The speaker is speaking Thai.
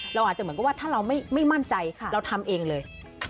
เราอาจจะเหมือนกับว่าถ้าเราไม่มั่นใจเราทำเองเลย